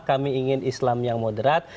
kami ingin islam yang moderat